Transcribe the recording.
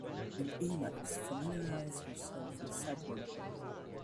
In Emacs, familiarize yourself with subword mode.